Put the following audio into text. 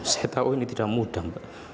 saya tahu ini tidak mudah mbak